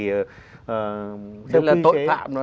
đấy là tội phạm đó